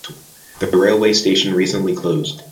The rail way station recently closed.